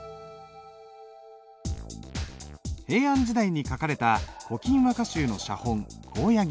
平安時代に書かれた古今和歌集の写本「高野切」。